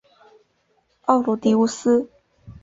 奥卢狄乌斯。